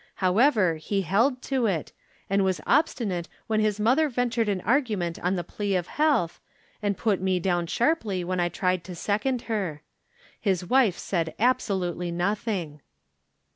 However, lie held to it, and was obstinate when Ilia mother ventured an argument on the plea of health, and put me down sharply when I tried to second her. His wife said absolutely nothing.